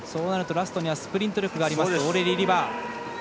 ラストにはスプリント力のあるオーレリー・リバー。